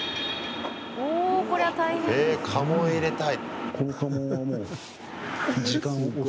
え、家紋を入れたい。